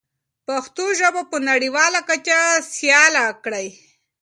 پښتو ژبه په نړیواله کچه سیاله کړئ.